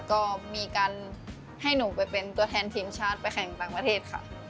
ก็มีการให้หนูไปเป็นตัวแทนทีมชาติไปแข่งต่างประเทศค่ะ